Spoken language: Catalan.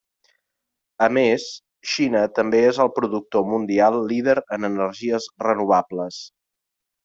A més, Xina també és el productor mundial líder en energies renovables.